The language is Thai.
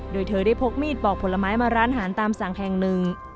โดยเธอได้พกมีดปอกผลไม้มาร้านอาหารตามสั่งแห่งหนึ่ง